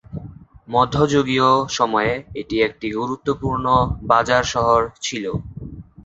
মধ্যযুগীয় সময়ে এটি একটি গুরুত্বপূর্ণ বাজার শহর ছিল।